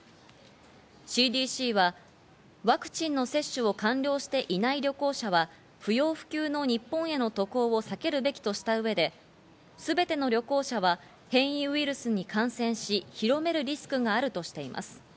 ＣＤＣはワクチンの接種を完了していない旅行者は、不要不急の日本への渡航を避けるべきとした上で、全ての旅行者は変異ウイルスに感染し、広めるリスクがあるとしています。